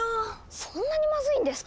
そんなにまずいんですか？